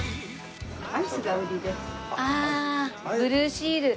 ああブルーシール。